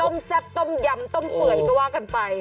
แซ่บต้มยำต้มเปื่อยก็ว่ากันไป